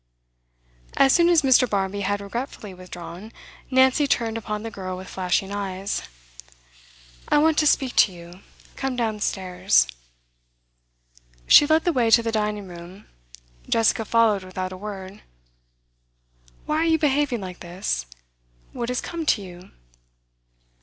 As soon as Mr. Barmby had regretfully withdrawn, Nancy turned upon the girl with flashing eyes. 'I want to speak to you. Come downstairs.' She led the way to the dining room. Jessica followed without a word. 'Why are you behaving like this? What has come to you?